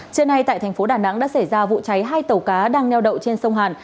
trưa nay tại thành phố đà nẵng đã xảy ra vụ cháy hai tàu cá đang neo đậu trên sông hàn